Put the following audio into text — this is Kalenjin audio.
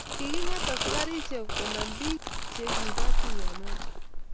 kiking'at askarisiek konam biik che koba tuyionoto